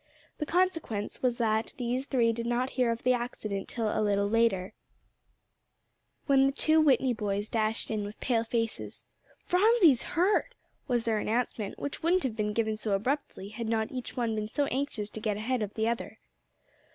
The consequence was that these three did not hear of the accident till a little later, when the two Whitney boys dashed in with pale faces, "Phronsie's hurt," was their announcement, which wouldn't have been given so abruptly had not each one been so anxious to get ahead of the other.